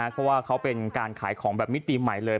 เพราะว่าเขาเป็นการขายของแบบมิติใหม่เลย